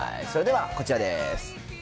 それではこちらです。